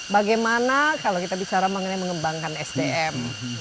bagaimana kalau kita bicara mengenai mengembangkan sdm